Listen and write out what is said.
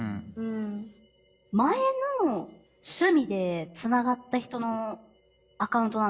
前の趣味でつながった人のアカウントなんですよ。